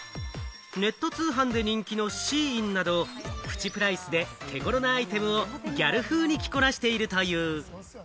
ネット通販で人気のシーインなど、プチプライスで手頃なアイテムをギャル風に着こなしているという。